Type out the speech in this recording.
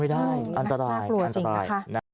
ไม่ได้อันตรายอันตรายน่ากลัวจริงนะคะ